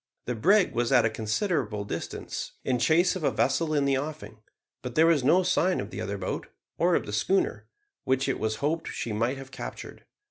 The brig was at a considerable distance, in chase of a vessel in the offing; but there was no sign of the other boat, or of the schooner, which it was hoped she might have captured.